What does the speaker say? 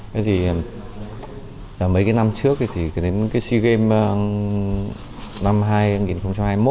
thế thì mấy cái năm trước thì đến cái sea games năm hai nghìn hai mươi một